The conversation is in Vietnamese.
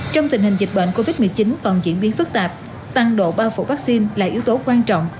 trong tình hình dịch bệnh covid một mươi chín còn diễn biến phức tạp tăng độ bao phủ vaccine là yếu tố quan trọng